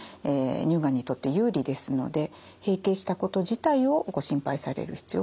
乳がんにとって有利ですので閉経したこと自体をご心配される必要はありません。